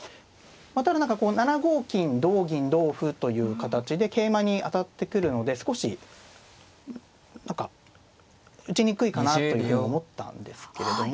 ただ何かこう７五金同銀同歩という形で桂馬に当たってくるので少し何か打ちにくいかなというふうに思ったんですけれども。